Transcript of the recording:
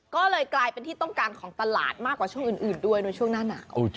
ก็เลยกลายเป็นที่ต้องการของตลาดมากกว่าช่วงอื่นด้วยโดยช่วงหน้าหนาว